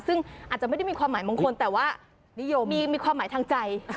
ซึ่งอาจจะไม่ได้มีความหมายมงคลแต่ว่านิยมมีความหมายทางใจ